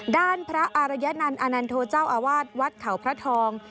ด้านพระอารยนันต์อนันโทเจ้าอาวาสวัดเขาพระทอง